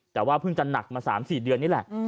แต่ว่าเพิ่งจะหนักมา๓๔เดือนนี่แหละ